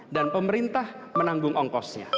dan pemerintah menanggung ongkosnya